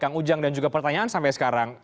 kang ujang dan juga pertanyaan sampai sekarang